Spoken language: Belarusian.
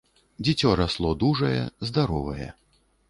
Дзіцё расло дужае, здаровае.